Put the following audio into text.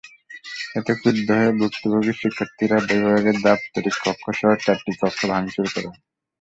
এতে ক্ষুব্ধ হয়ে ভুক্তভোগী শিক্ষার্থীরা বিভাগের দাপ্তরিক কক্ষসহ চারটি কক্ষে ভাঙচুর করেন।